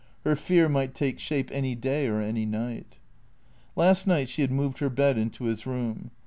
Her fear might take shape any day or any night. Last night she had moved her bed into his room.